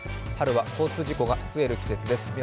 春は交通事故が増える季節です。